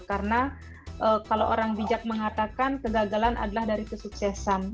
karena kalau orang bijak mengatakan kegagalan adalah dari kesuksesan